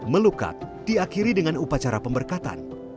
melukat diakhiri dengan upacara pemberkatan